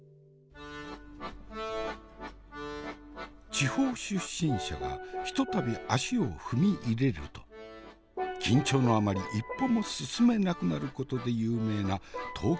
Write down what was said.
地方出身者がひとたび足を踏み入れると緊張のあまり一歩も進めなくなることで有名な東京六本木交差点。